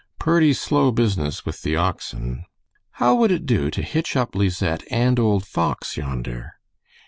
"Purty slow business with the oxen. How would it do to hitch up Lisette and old Fox yonder?"